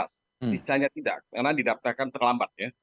sisanya tidak karena didaptakan terlambat